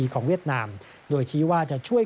เวียดนามโดยชี้ว่าจะช่วย